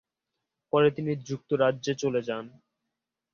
পরে তিনি যুক্তরাজ্যে চলে যান।